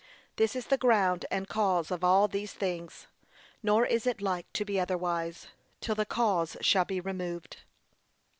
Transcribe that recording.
This is the ground and cause of all these things; nor is it like to be otherwise, till the cause shall be removed.